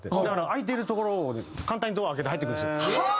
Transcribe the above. だから空いているところを簡単にドア開けて入ってくるんですよ。